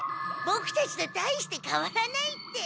ボクたちとたいしてかわらないって。